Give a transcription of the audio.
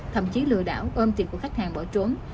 thậm chí lừa đảo ôm tiền của khách hàng bỏ trốn